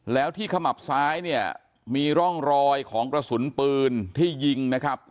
แล้วที่ขมับซ้ายเนี่ยมีร่องรอยของกระสุนปืนที่ยิงนะครับ